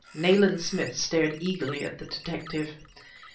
Nayland Smith stared eagerly at the detective.